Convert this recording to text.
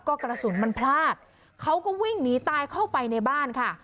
ก็กระสุนมันพลาดเขาก็วิ่งหนีตายเข้าไปในบ้านค่ะ